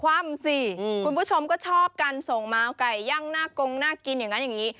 สิคุณผู้ชมก็ชอบกันส่งมาเอาไก่ย่างหน้ากงน่ากินอย่างนั้นอย่างนี้